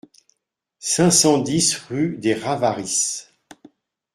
cinq cent dix rue des Ravarys